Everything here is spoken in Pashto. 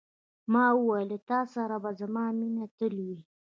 ما وویل، له تا سره به زما مینه تل وي.